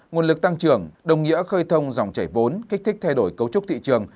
nguồn lực tăng trưởng đồng nghĩa khơi thông dòng chảy vốn kích thích thay đổi cấu trúc thị trường